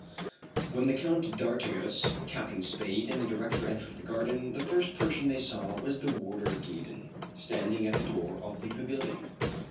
When the Count d'Artigas, Captain Spade, and the director entered the garden, the first person they saw was the warder Gaydon, standing at the door of the pavilion.